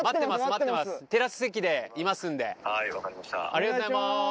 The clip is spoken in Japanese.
ありがとうございます！